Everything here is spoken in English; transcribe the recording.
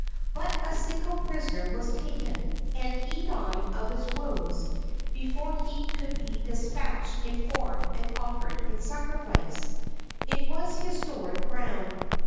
But a single prisoner was taken, and he died of his wounds before he could be despatched in form and offered in sacrifice. It was historic ground.